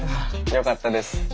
よかったです。